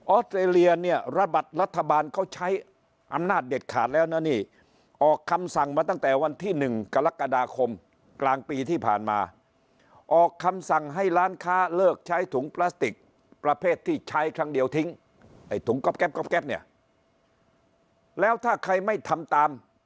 เตรเลียเนี่ยระบัตรรัฐบาลเขาใช้อำนาจเด็ดขาดแล้วนะนี่ออกคำสั่งมาตั้งแต่วันที่๑กรกฎาคมกลางปีที่ผ่านมาออกคำสั่งให้ร้านค้าเลิกใช้ถุงพลาสติกประเภทที่ใช้ครั้งเดียวทิ้งไอ้ถุงก๊อบแป๊บก๊อบแป๊บเนี่ยแล้วถ้าใครไม่ทำตาม